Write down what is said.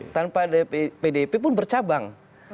tanpa pdip pun bercabang